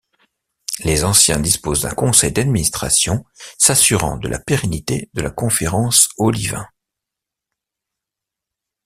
Les Anciens disposent d'un Conseil d'administration s'assurant de la pérennité de la Conférence Olivaint.